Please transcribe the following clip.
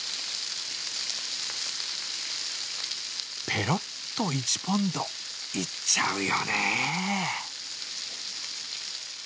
ぺろっと１ポンド、いっちゃうよね。